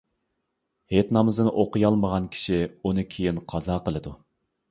ھېيت نامىزىنى ئوقۇيالمىغان كىشى ئۇنى كېيىن قازا قىلىدۇ.